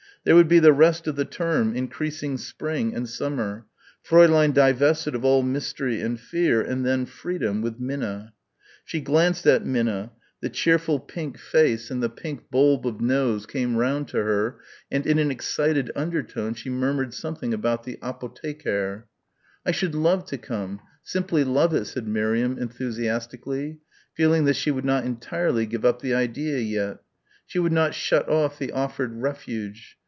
There would be the rest of the term increasing spring and summer Fräulein divested of all mystery and fear and then freedom with Minna. She glanced at Minna the cheerful pink face and the pink bulb of nose came round to her and in an excited undertone she murmured something about the apotheker. "I should love to come simply love it," said Miriam enthusiastically, feeling that she would not entirely give up the idea yet. She would not shut off the offered refuge.